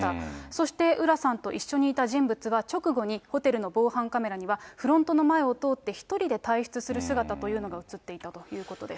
そして浦さんと一緒にいた人物は、直後にホテルの防犯カメラにはフロントの前を通って、１人で退室する姿というのが写っていたということです。